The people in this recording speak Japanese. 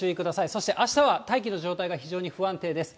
そしてあしたは大気の状態が非常に不安定です。